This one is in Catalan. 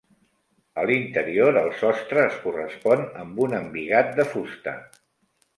A l'interior, el sostre es correspon amb un embigat de fusta.